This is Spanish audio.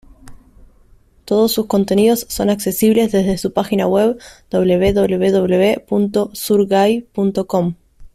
Todos sus contenidos son accesibles desde su página web www.zurgai.com.